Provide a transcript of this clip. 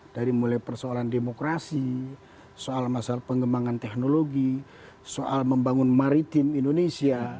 dari mulai persoalan demokrasi soal masalah pengembangan teknologi soal membangun maritim indonesia